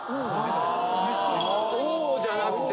「オオ」じゃなくて。